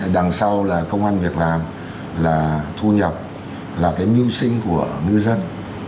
đằng sau là công an việc làm là thu nhập là cái mưu sinh của ngư dân